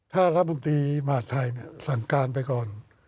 ถ้าละบองตรีทซศก็ไปก่อน